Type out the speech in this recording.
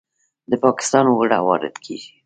د پاکستان اوړه وارد کیږي.